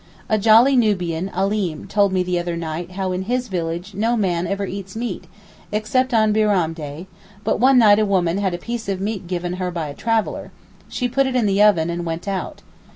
A jolly Nubian Alim told me the other night how in his village no man ever eats meat, except on Bairam day: but one night a woman had a piece of meat given her by a traveller; she put it in the oven and went out.